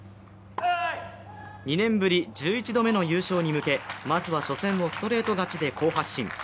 ２年ぶり１１度目の優勝に向け、まずは初戦をストレート勝ちで好発進。